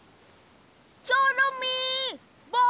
チョロミー！